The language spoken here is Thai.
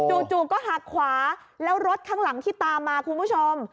จู่ก็หักขวาแล้วรถข้างหลังที่ตามมาคุณผู้ชม